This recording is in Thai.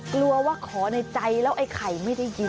กลัวว่าขอในใจแล้วไอ้ไข่ไม่ได้ยิน